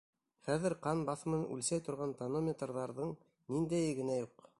Хәҙер ҡан баҫымын үлсәй торған тонометрҙарҙың ниндәйе генә юҡ!